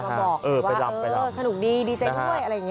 อาจจะมาบอกว่าสนุกดีดีใจด้วยอะไรอย่างนี้นะครับเออไปรำ